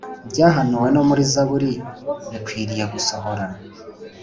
byahanuwe no muri Zaburi bikwiriye gusohora